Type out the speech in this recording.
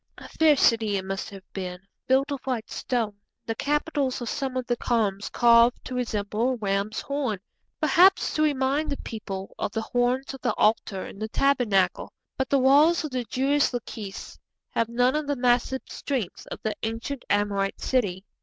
A fair city it must have been, built of white stone, the capitals of some of the columns carved to resemble a ram's horn, perhaps to remind the people of the horns of the altar in the Tabernacle. But the walls of the Jewish Lachish have none of the massive strength of the ancient Amorite city.